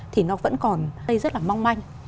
thì nó vẫn còn rất là mong manh